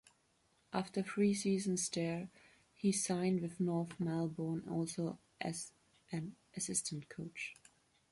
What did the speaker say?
After three seasons there, he signed with North Melbourne, also as an assistant coach.